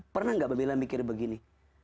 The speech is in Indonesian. pernah nggak bila mikir begini